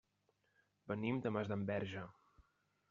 Venim de Masdenverge.